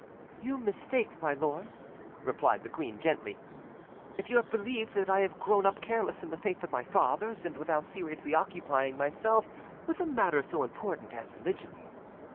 "You mistake, my lord," replied the queen gently, "if you have believed that I have grown up careless in the faith of my fathers, and without seriously occupying myself with a matter so important as religion.